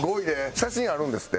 写真あるんですって？